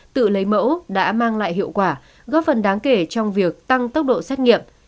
tự lấy mẫu đã mang lại hiệu quả góp phần đáng kể trong việc tăng tốc độ xét nghiệm